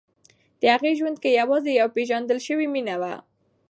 د هغې ژوند کې یوازې یوه پېژندل شوې مینه وه.